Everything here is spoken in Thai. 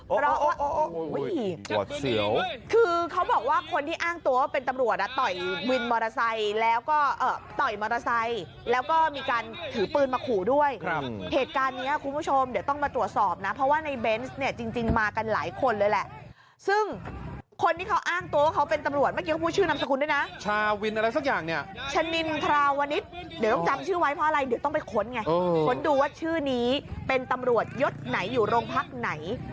โอ้โหโอ้โหโอ้โหโอ้โหโอ้โหโอ้โหโอ้โหโอ้โหโอ้โหโอ้โหโอ้โหโอ้โหโอ้โหโอ้โหโอ้โหโอ้โหโอ้โหโอ้โหโอ้โหโอ้โหโอ้โหโอ้โหโอ้โหโอ้โหโอ้โหโอ้โหโอ้โหโอ้โหโอ้โหโอ้โหโอ้โหโอ้โหโอ้โหโอ้โหโอ้โหโอ้โหโอ้โหโ